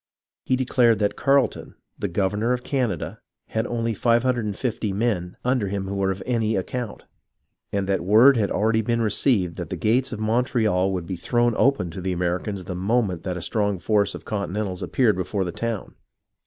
He declared that Carleton, the governor of Canada, had only 550 men under him who were of any account, and that word had already been received that the gates of Montreal would be thrown open to the Americans the moment that a strong force of Continentals appeared before the town.